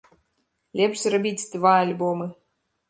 Лепш зрабіць два альбомы.